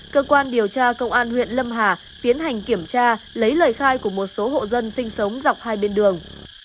cơ quan điều tra công an huyện lâm hà tiến hành kiểm tra lấy lời khai của một số hộ dân sinh sống dọc hai bên đường